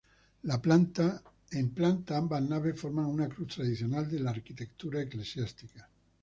En planta, ambas naves forman una cruz tradicional de la arquitectura eclesiástica.